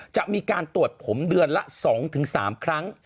จะมีการตรวจผมเดือนละ๒๓ครั้ง